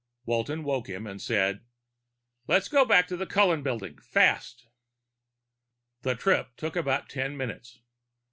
Walton woke him and said, "Let's get back to the Cullen Building, fast." The trip took about ten minutes.